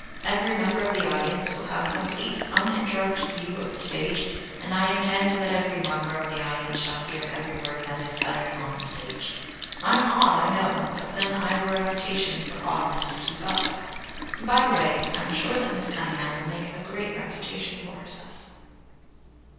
Every member of the audience will have a complete uninterrupted view of the stage, and I intend that every member of the audience shall hear every word that is uttered on the stage. I'm odd, I know. But then I've a reputation for oddness to keep up. And by the way I'm sure that Miss Cunningham will make a great reputation for herself."